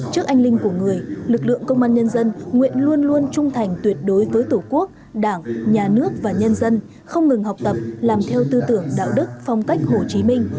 trước anh linh của người lực lượng công an nhân dân nguyện luôn luôn trung thành tuyệt đối với tổ quốc đảng nhà nước và nhân dân không ngừng học tập làm theo tư tưởng đạo đức phong cách hồ chí minh